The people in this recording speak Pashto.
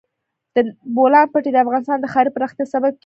د بولان پټي د افغانستان د ښاري پراختیا سبب کېږي.